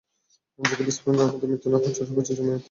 যদি বিস্ফোরণে আমাদের মৃত্যু না হয়, তুষারপাতে জমে মৃত্যু হবে!